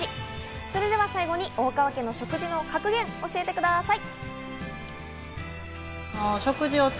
それでは最後に大川家の食事の格言、教えてください！